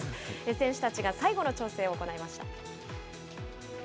選手たちが最後の調整を行いました。